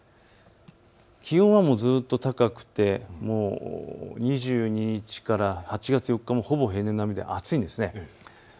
気温はずっと高くて２２日から８月４日もほぼ平年並みで暑いんです。